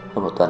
hơn một tuần